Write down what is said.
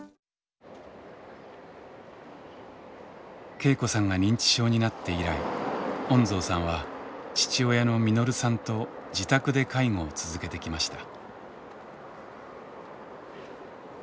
恵子さんが認知症になって以来恩蔵さんは父親の實さんと自宅で介護を続けてきました。